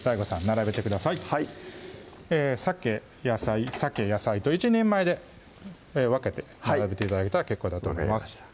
並べてくださいさけ・野菜・さけ・野菜と１人前で分けて並べて頂けたら結構だと思います